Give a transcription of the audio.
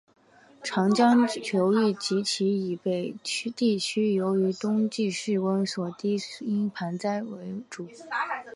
长江流域及其以北地区由于冬季气温过低所以应以盆栽为主。